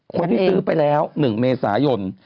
คนที่ซื้อไปแล้ว๑เมษายน